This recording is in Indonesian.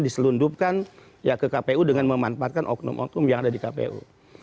diselundupkan ke kpu dengan memanfaatkan oknum oknum yang ada di kpu